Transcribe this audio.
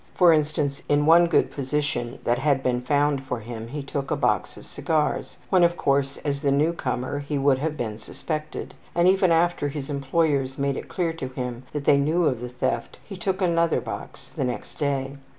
For instance, in one good position that had been found for him he took a box of cigars, when, of course, as the newcomer he would have been suspected, and even after his employers made it clear to him that they knew of the theft he took another box the next day.